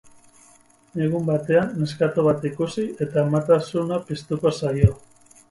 Egun batean, neskato bat ikusi, eta amatasuna piztuko zaio.